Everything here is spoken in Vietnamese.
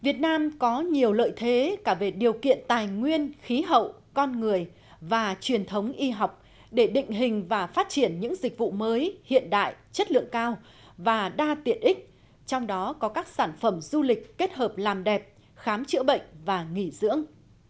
việt nam có nhiều lợi thế cả về điều kiện tài nguyên khí hậu con người và truyền thống y học để định hình và phát triển những dịch vụ mới hiện đại chất lượng cao và đa tiện ích trong đó có các sản phẩm du lịch kết hợp làm đẹp khám chữa bệnh và nghỉ dưỡng